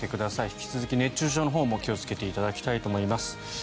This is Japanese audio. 引き続き、熱中症のほうも気をつけていただきたいと思います。